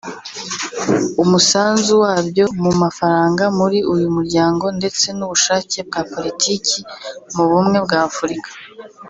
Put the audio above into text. umusanzu wabyo mu mafaranga muri uyu muryango ndetse n’ubushake bwa Politiki mu bumwe bwa Afurika